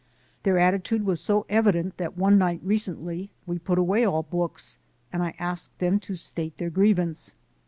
Their attitude was so evident that one night recently we put away all books and I asked them to state their grievance.